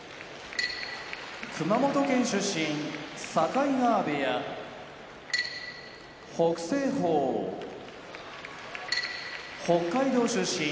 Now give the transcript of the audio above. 熊本県出身境川部屋北青鵬北海道出身